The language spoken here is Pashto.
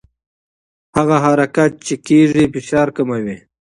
هغه حرکت چې کېږي فشار کموي.